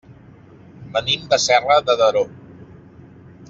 Venim de Serra de Daró.